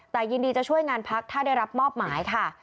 แต่ยินดีจะช่วยงานพักถ้าได้รับมอบหมายค่ะ